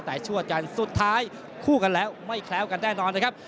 แต่ชั่วกันสุดท้ายคู่กันแล้วไม่แคล้วกันแน่นอนนะครับ